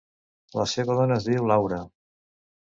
La seva dona es diu Laura.